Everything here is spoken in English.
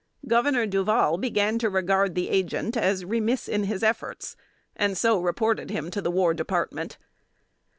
Governor Duval began to regard the Agent as remiss in his efforts, and so reported him to the War Department.